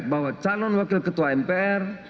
bahwa calon wakil ketua mpr